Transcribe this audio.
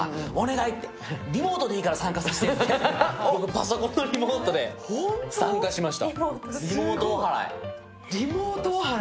パソコンのリモートで参加しました。